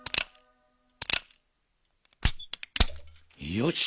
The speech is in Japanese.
よし。